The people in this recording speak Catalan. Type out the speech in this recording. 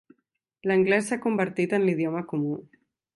L'anglès s'ha convertit en l'idioma comú.